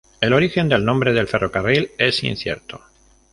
El origen del nombre del ferrocarril es incierto.